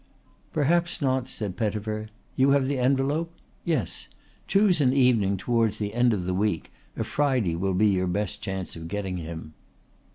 "Perhaps not," said Pettifer. "You have the envelope? Yes. Choose an evening towards the end of the week, a Friday will be your best chance of getting him."